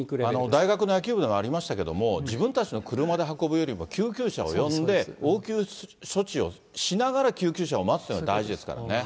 大学の野球部でもありましたけども、自分たちの車で運ぶよりも救急車を呼んで、応急処置をしながら救急車を待つっていうのが大事ですからね。